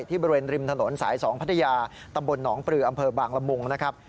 บริเวณริมถนนสาย๒พัทยาตำบลหนองปลืออำเภอบางละมุงนะครับ